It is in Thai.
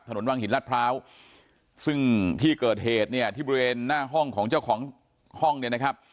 ถนนวังหินรัฐพร้าวซึ่งที่เกิดเหตุเนี่ยที่บริเวณหน้าห้องของเจ้าของห้องเนี่ยนะครับ